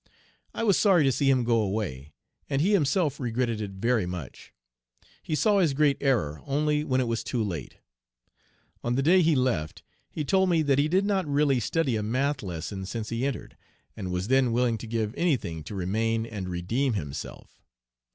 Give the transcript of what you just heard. I was sorry to see him go away, and he himself regretted it very much. He saw his great error only when it was too late. On the day he left he told me that he did not really study a 'math' lesson since he entered; and was then willing to give any thing to remain and redeem himself.